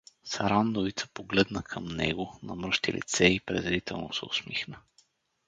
Сарандовица погледна към него, намръщи лице и презрително се усмихна.